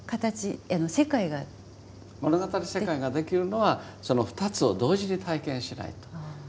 物語世界ができるのはその２つを同時に体験しないと。